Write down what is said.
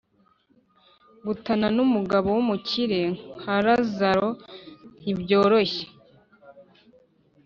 Gutana n’Umugabo w’umukire nka Lazaro ntibyoroshye